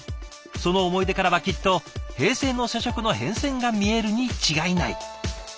その思い出からはきっと平成の社食の変遷が見えるに違いない。